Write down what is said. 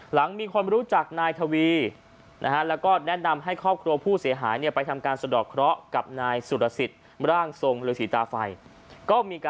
หลังมีคนมารู้จักนายทวีและแนะนำให้ครอบครัวผู้เสียหายไปทำการสะดอกเคราะห์กับนายสุฤษิตร่างทรงลูกสริตาไฟ